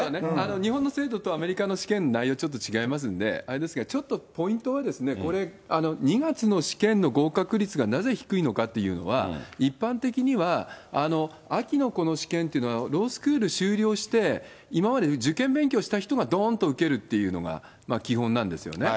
日本の制度とアメリカの試験、内容がちょっと違いますんで、あれですが、ちょっとポイントは、これ、２月の試験の合格率がなぜ低いのかっていうのは、一般的には、秋のこの試験というのは、ロースクール修了して、今まで受験勉強した人がどーんと受けるというのが基本なんですよね。